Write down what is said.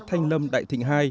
thành lâm đại thịnh hai